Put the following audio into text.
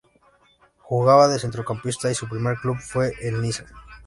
Jugaba de centrocampista y su primer club fue el Niza.